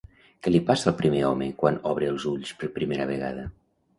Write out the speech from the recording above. Què li passa al primer home quan obre els ulls per primera vegada?